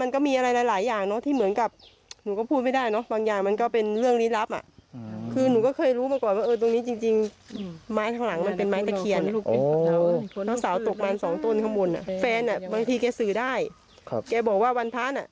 คุณผู้ชมบางคนบอกว่าเอ้ย